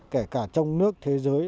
kể cả trong nước thế giới